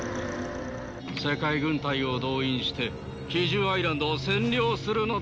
世界軍隊を動員して奇獣アイランドを占領するのだ。